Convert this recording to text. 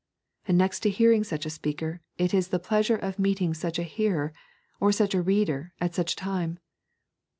And next to hearing such a speaker is the pleasure of meeting such a hearer or such a reader at such a time.